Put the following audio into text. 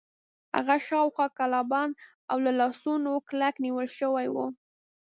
هغه شاوخوا کلابند و او له لاسونو کلک نیول شوی و.